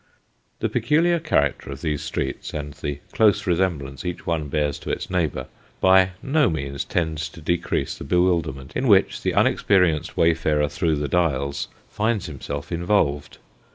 The peculiar character of these streets, and the close resemblance each one bears to its neighbour, by no means tends to decrease the bewilderment in which the unexperienced wayfarer through " the Dials " finds himself involved.